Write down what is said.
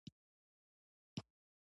زما سات نه تیریژی.